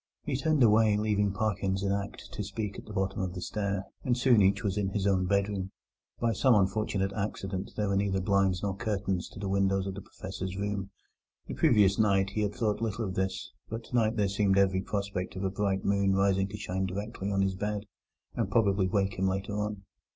He turned away, leaving Parkins in act to speak at the bottom of the stair, and soon each was in his own bedroom. By some unfortunate accident, there were neither blinds nor curtains to the windows of the Professor's room. The previous night he had thought little of this, but tonight there seemed every prospect of a bright moon rising to shine directly on his bed, and probably wake him later on.